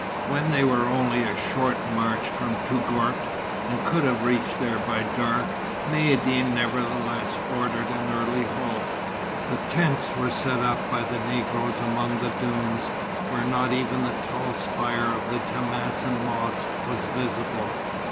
When they were only a short march from Touggourt, and could have reached there by dark, Maïeddine nevertheless ordered an early halt. The tents were set up by the Negroes among the dunes, where not even the tall spire of Temacin's mosque was visible.